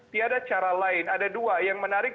tidak ada cara lain ada dua yang menarik